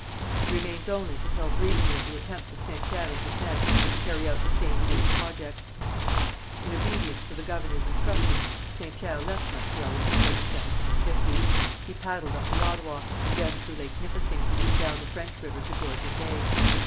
It remains only to tell briefly of the attempts of Saint Pierre and his men to carry out the same great project. In obedience to the governor's instructions, Saint Pierre left Montreal in the spring of 1750. He paddled up the Ottawa, and then through Lake Nipissing, and down the French river to Georgian Bay.